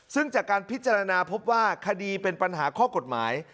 ซึ่งจากการพิจารณาพบว่าคดีเป็นปัญหาข้อกฎหมาย